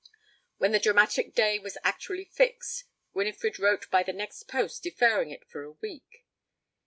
When the dramatic day was actually fixed, Winifred wrote by the next post deferring it for a week.